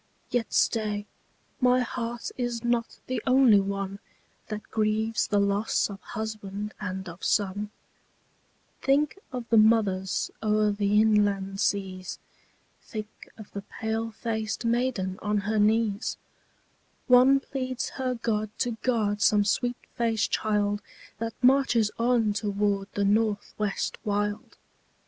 Yet stay, my heart is not the only one That grieves the loss of husband and of son; Think of the mothers o'er the inland seas; Think of the pale faced maiden on her knees; One pleads her God to guard some sweet faced child That marches on toward the North West wild.